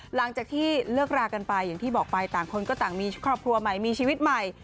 หลังจากที่เลิกรากันไปอย่างที่บอกไปต่างคนก็ต่างมีครอบครัวใหม่มีชีวิตใหม่